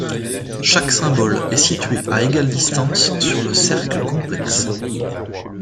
Chaque symbole est situé à égale distance sur le cercle complexe.